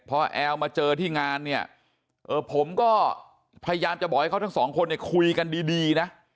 พอแอลมาเจอที่งานเนี่ยเออผมก็พยายามจะบอกให้เขาทั้งสองคนเนี่ยคุยกันดีนะ